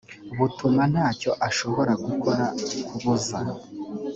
butuma ntacyo ashobora gukora kubuza